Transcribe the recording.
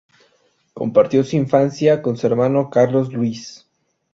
Compartió su infancia con su hermano Carlos Luis.